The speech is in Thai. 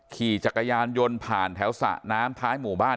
ขี่จักรยานยนต์ผ่านแถวสระน้ำท้ายหมู่บ้าน